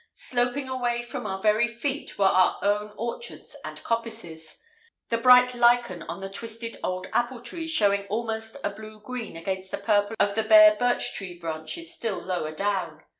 Sloping away from our very feet were our own orchards and coppices, the bright lichen on the twisted old apple trees showing almost a blue green against the purple of the bare birch tree branches still lower down.